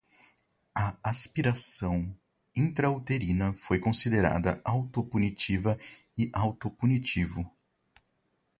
A aspiração intrauterina foi considerada autopunitiva e autopunitivo